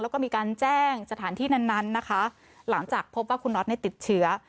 แล้วก็มีการแจ้งสถานที่นั้นนั้นนะคะหลังจากพบว่าคุณน็อตติดเชื้อ